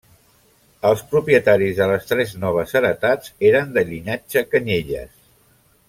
Els propietaris de les tres noves heretats eren de llinatge Canyelles.